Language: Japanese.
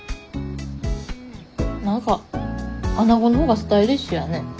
何かアナゴのほうがスタイリッシュやね。